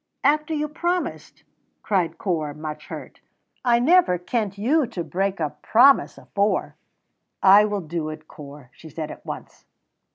"After you promised!" cried Corp, much hurt. "I never kent you to break a promise afore." "I will do it, Corp," she said, at once.